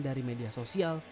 dari media sosial